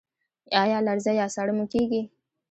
ایا لرزه یا ساړه مو کیږي؟